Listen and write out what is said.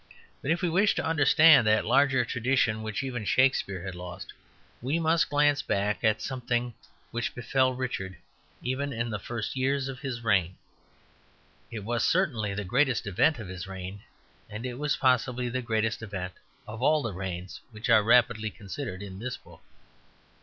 But if we wish to understand that larger tradition which even Shakespeare had lost, we must glance back at something which befell Richard even in the first years of his reign. It was certainly the greatest event of his reign; and it was possibly the greatest event of all the reigns which are rapidly considered in this book.